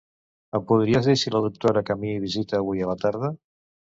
Em podries dir si la doctora Camí visita avui a la tarda?